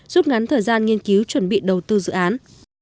rút ngắn thời gian nghiên cứu chuẩn bị đầu tư dự án